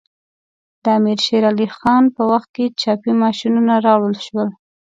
د امیر شیر علی خان په وخت کې چاپي ماشینونه راوړل شول.